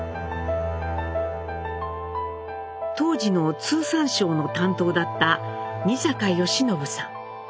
当時の通産省の担当だった仁坂吉伸さん。